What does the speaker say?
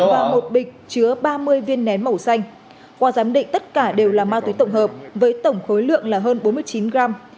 và một bịch chứa ba mươi viên nén màu xanh qua giám định tất cả đều là ma túy tổng hợp với tổng khối lượng là hơn bốn mươi chín gram